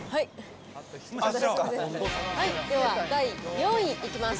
では、第４位いきます。